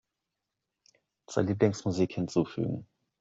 Zur Lieblingsmusik hinzufügen.